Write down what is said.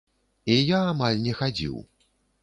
І я амаль не хадзіў.